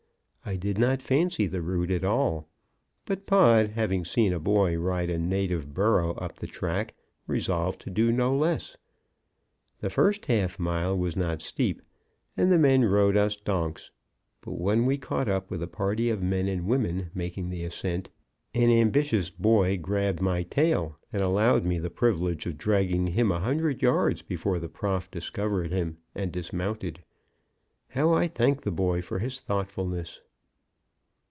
I did not fancy the route at all. But Pod, having seen a boy ride a native burro up the track, resolved to do no less. The first half mile was not steep, and the men rode us donks; but when we caught up with a party of men and women making the ascent, an ambitious boy grabbed my tail and allowed me the privilege of dragging him a hundred yards before the Prof discovered him, and dismounted. How I thanked the boy for his thoughtfulness.